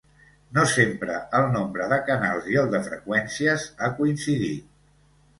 No sempre el nombre de canals i el de freqüències ha coincidit.